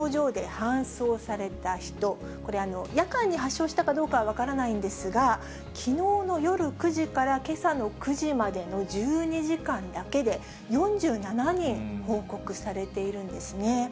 東京で熱中症と見られる症状で搬送された人、これ、夜間に発症したかどうかは分からないんですが、きのうの夜９時からけさの９時までの１２時間だけで、４７人報告されているんですね。